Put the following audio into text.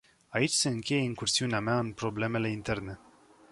Aici se încheie incursiunea mea în problemele interne.